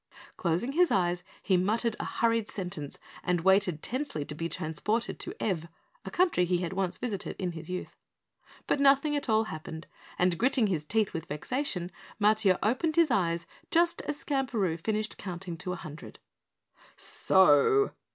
Closing his eyes, he muttered a hurried sentence and waited tensely to be transported to Ev, a country he had once visited in his youth. But nothing at all happened, and gritting his teeth with vexation, Matiah opened his eyes just as Skamperoo finished counting a hundred. "So!"